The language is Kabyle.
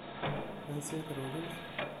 Ansa i trewlemt?